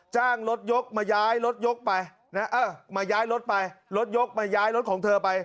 จ้างรถยกมาย้ายรถยกไปนะเออมาย้ายรถไปรถยกมาย้ายรถของเธอไป